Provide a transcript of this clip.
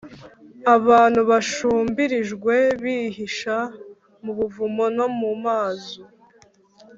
Abantu bashumbirijwe bihisha mu buvumo no mu mazu